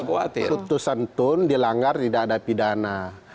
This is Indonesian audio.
putusan tun dilanggar tidak ada pidana